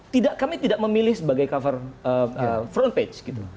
tidak kami tidak memilih sebagai cover front page gitu